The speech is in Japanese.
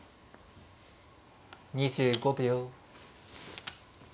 ２５秒。